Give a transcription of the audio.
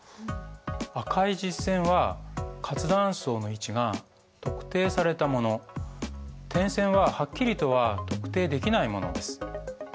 赤い実線は活断層の位置が特定されたもの点線ははっきりとは特定できないものです。